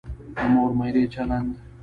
د مور میرې چلند.